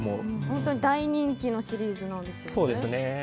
本当に大人気のシリーズなんですよね。